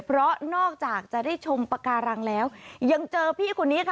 เพราะนอกจากจะได้ชมปากการังแล้วยังเจอพี่คนนี้ค่ะ